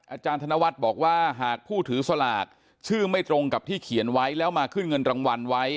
อาจารย์ธนวัฒน์บอกว่าหากผู้ถือสลากชื่อไม่ตรงกับที่เขียนไว้แล้วมาขึ้นเงินรางวัลไว้